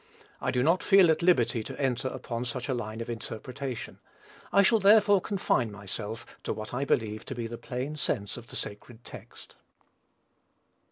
I do not feel at liberty to enter upon such a line of interpretation; I shall therefore confine myself to what I believe to be the plain sense of the sacred text.